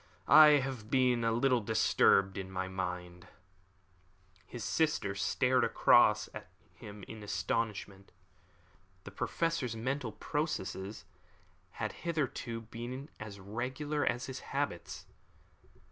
I have been a little disturbed in my mind." His sister stared across at him in astonishment. The Professor's mental processes had hitherto been as regular as his habits.